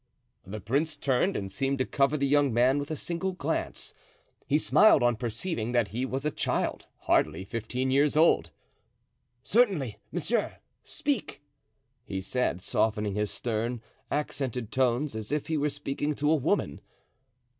The prince turned and seemed to cover the young man with a single glance; he smiled on perceiving that he was a child hardly fifteen years old. "Certainly, monsieur, speak," he said, softening his stern, accented tones, as if he were speaking to a woman.